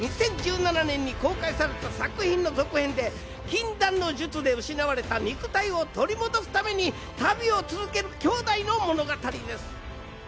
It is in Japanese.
２０１７年に公開された作品の続編で、禁断の術で失われた肉体を取り戻すために旅を続ける兄弟の物語です。